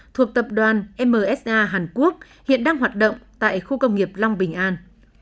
thuộc tập đoàn msa hàn quốc hiện đang hoạt động tại khu công nghiệp long bình an